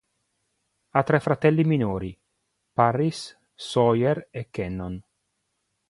Ha tre fratelli minori: Parris, Sawyer e Cannon.